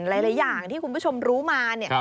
หลายอย่างที่คุณผู้ชมรู้มาเนี่ย